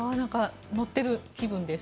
乗っている気分です。